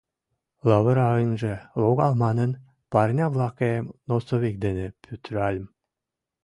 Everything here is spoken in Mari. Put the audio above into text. Лавыра ынже логал манын, парня-влакем носовик дене пӱтыральым.